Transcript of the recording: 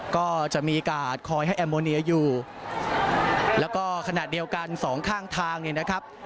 ก็จะมีกาดคอยให้แอมโมเนียอยู่แล้วก็ขณะเดียวกันสองข้างทางเนี่ยนะครับ